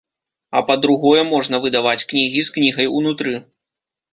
А па-другое, можна выдаваць кнігі з кнігай унутры.